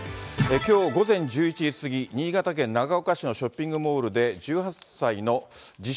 きょう午前１１時すぎ、新潟県長岡市のショッピングモールで、１８歳の自称